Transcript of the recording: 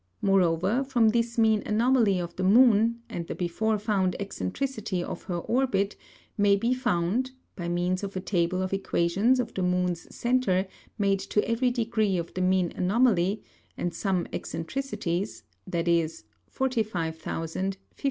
Moreover, from this mean Anomaly of the Moon, and the before found Eccentricity of her Orbit, may be found (by means of a Table of Equations of the Moon's Centre made to every degree of the mean Anomaly, and some Eccentricities, _viz.